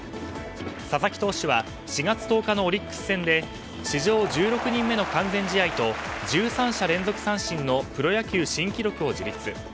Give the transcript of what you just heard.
佐々木投手は４月１０日のオリックス戦で史上１６人目の完全試合と１３者連続三振のプロ野球新記録を樹立。